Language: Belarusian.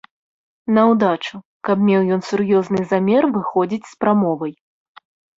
Наўдачу, каб меў ён сур'ёзны замер выходзіць з прамовай.